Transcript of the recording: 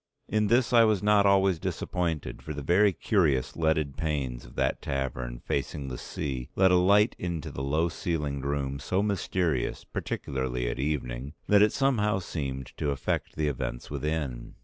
In this I was not always disappointed for the very curious leaded panes of that tavern, facing the sea, let a light into the low ceilinged room so mysterious, particularly at evening, that it somehow seemed to affect the events within.